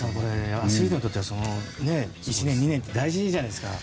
アスリートにとって１年２年って大事じゃないですか。